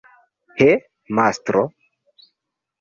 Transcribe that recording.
He, mastro!